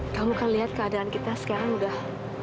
kamu kan lihat keadaan kita sekarang udah